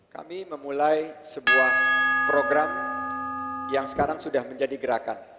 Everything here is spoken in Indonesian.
kami memulai sebuah program yang sekarang sudah menjadi gerakan